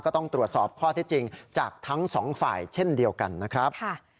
ก็ต้องตรวจสอบข้อที่จริงจากทั้งสองฝ่ายเช่นเดียวกันนะครับ